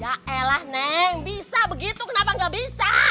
yaelah neng bisa begitu kenapa nggak bisa